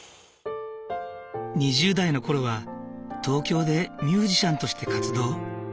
２０代の頃は東京でミュージシャンとして活動。